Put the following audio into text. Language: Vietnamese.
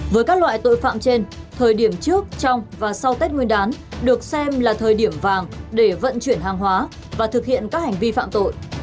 với các loại tội phạm trên thời điểm trước trong và sau tết nguyên đán được xem là thời điểm vàng để vận chuyển hàng hóa và thực hiện các hành vi phạm tội